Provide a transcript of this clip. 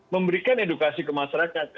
memberikan edukasi ke masyarakat